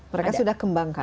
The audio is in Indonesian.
mereka sudah kembangkan